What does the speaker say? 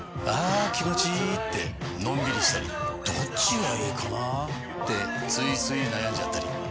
あ気持ちいいってのんびりしたりどっちがいいかなってついつい悩んじゃったり。